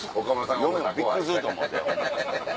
嫁もびっくりすると思う。